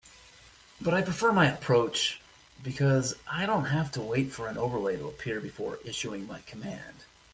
But I prefer my approach because I don't have to wait for an overlay to appear before issuing my command.